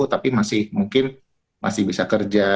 tapi masih mungkin masih bisa kerja